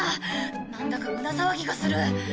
なんだか胸騒ぎがする。